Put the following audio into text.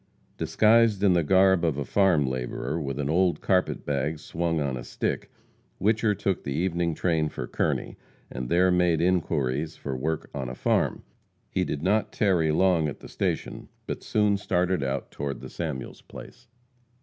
Disguised in the garb of a farm laborer, with an old carpet bag swung on a stick, Whicher took the evening train for Kearney, and there made inquiries for work on a farm. He did not tarry long at the station, but soon started out toward the Samuels place.